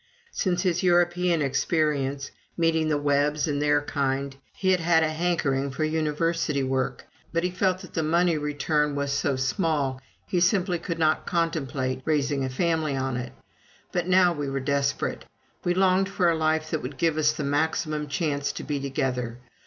Since his European experience, meeting the Webbs and their kind, he had had a hankering for University work, but he felt that the money return was so small he simply could not contemplate raising a family on it. But now we were desperate. We longed for a life that would give us the maximum chance to be together.